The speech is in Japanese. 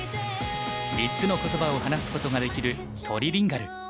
３つの言葉を話すことができるトリリンガル。